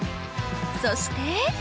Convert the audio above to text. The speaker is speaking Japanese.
そして！